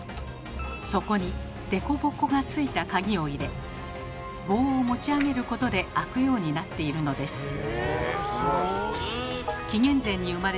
そこにでこぼこがついた鍵を入れ棒を持ち上げることで開くようになっているのです。